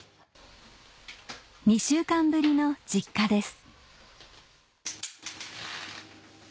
２週間ぶりの実家です